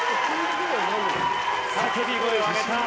叫び声を上げた。